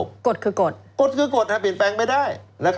กฎคือกฎกฎคือกฎเปลี่ยนแปลงไม่ได้